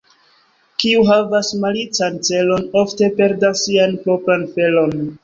Kiu havas malican celon, ofte perdas sian propran felon.